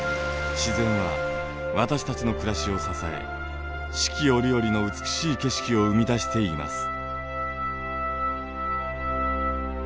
自然は私たちの暮らしを支え四季折々の美しい景色を生み出しています。